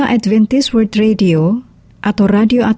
hatiku lama dah agak